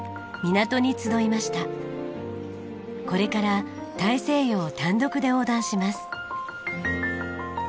これから大西洋を単独で横断します。